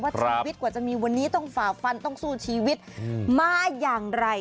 ชีวิตกว่าจะมีวันนี้ต้องฝ่าฟันต้องสู้ชีวิตมาอย่างไร